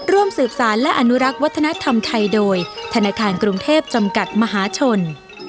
ร่วมสืบสารและอนุรักษ์วัฒนธรรมไทยโดยธนาคารกรุงเทพจำกัดมหาชน